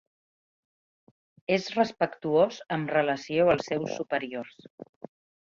És respectuós amb relació als seus superiors.